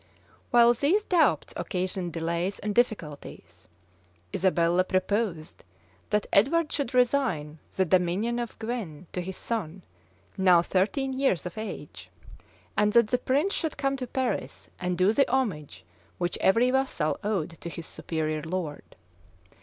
{1325.} While these doubts occasioned delays and difficulties, Isabella proposed that Edward should resign the dominion of Guienne to his son, now thirteen years of age; and that the prince should come to Paris, and do the homage which every vassal owed to his superior lord.